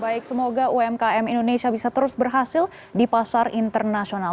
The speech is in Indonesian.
baik semoga umkm indonesia bisa terus berhasil di pasar internasional